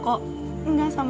kau kuru apa itu fai